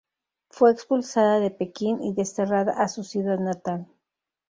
Fue expulsada de Pekín, y desterrada a su ciudad natal.